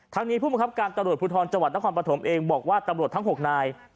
ทั้งนี้ผู้มหัวครับการตรวจภูทรจุธรนนปฐมเองบอกว่าตำรวจทั้งหกนายถูกคุมตัว